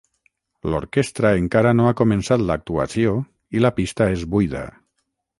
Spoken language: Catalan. L'orquestra encara no ha començat l'actuació i la pista és buida.